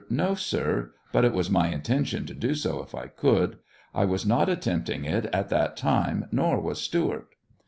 No, sir ; but it was my intention to do so if I could. I was not attempting it at that time, nor was Stewart.